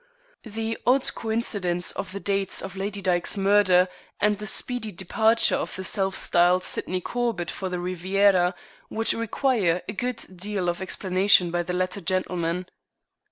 The odd coincidence of the dates of Lady Dyke's murder and the speedy departure of the self styled Sydney Corbett for the Riviera would require a good deal of explanation by the latter gentleman.